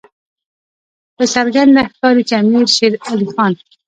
په څرګنده ښکاري چې امیر شېر علي خان.